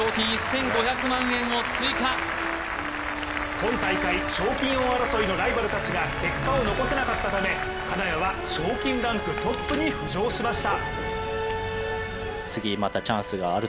今大会、賞金王争いのライバルたちが結果を残せなかったため金谷は賞金ランクトップに浮上しました。